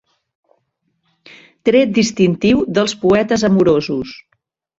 Tret distintiu dels poetes amorosos.